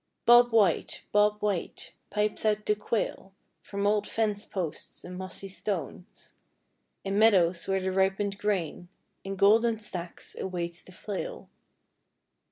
Bob White, Bob White, pipes out the quail From old fence posts and mossy stones, In meadows where the ripened grain In golden stacks awaits the flail.